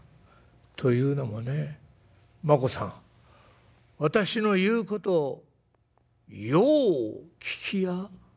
というのもねマコさん私の言うことをよう聞きや」。